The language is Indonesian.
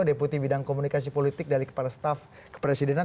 keputih bidang komunikasi politik dari kepala staff kepresidenan